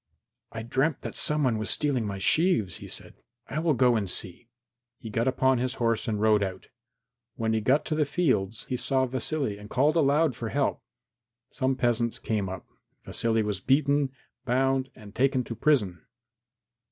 "I dreamt that some one was stealing my sheaves," he said; "I will go and see." He got upon his horse and rode out. When he got to the fields he saw Vasily and called aloud for help. Some peasants came up. Vasily was beaten, bound and taken to prison.